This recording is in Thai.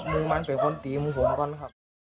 มันเป็นคนตีมึงผมก่อนครับ